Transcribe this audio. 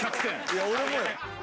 いや俺もよ。